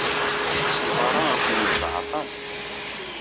Asafar-a ad ken-yenfeɛ aṭas.